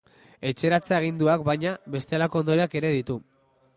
Etxeratze-aginduak, baina, bestelako ondorioak ere ditu.